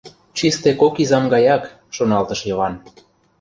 «Чисте кок изам гаяк, — шоналтыш Йыван.